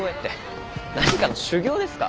何かの修業ですか？